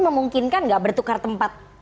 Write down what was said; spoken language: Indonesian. memungkinkan gak bertukar tempat